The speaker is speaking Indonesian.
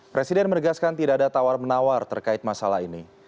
presiden menegaskan tidak ada tawar menawar terkait masalah ini